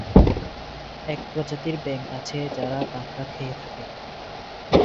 এক প্রজাতির ব্যাঙ আছে যারা কাঁকড়া খেয়ে থাকে।